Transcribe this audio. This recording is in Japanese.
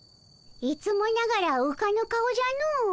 いつもながらうかぬ顔じゃの。